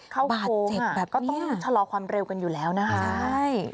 เข้าโค้งก็ต้องแค่ชะลอความเร็วกันอยู่แล้วนะครับแบบนี้บาดเจ็บแบบนี้